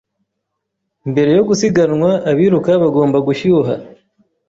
Mbere yo gusiganwa, abiruka bagomba gushyuha.